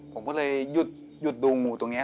ผมก็เลยหยุดดูงูตรงนี้